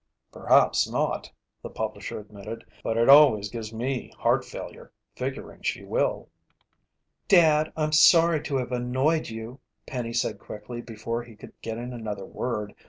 "Perhaps not," the publisher admitted, "but it always gives me heart failure, figuring she will." "Dad, I'm sorry to have annoyed you," Penny said quickly before he could get in another word.